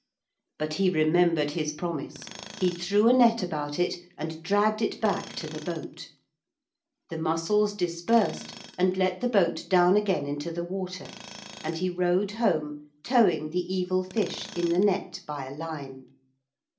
But he remembered his promise. He threw a net about it, and dragged it back to the boat. The mussels dispersed and let the boat down again into the water and he rowed home, towing the evil fish in the net by a line.